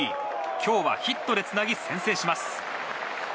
今日はヒットでつなぎ先制します。